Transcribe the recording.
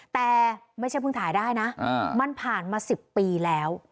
แต่ไม่ใช่เพิ่งถ่ายได้นะมันผ่านมา๑๐ปีแล้ว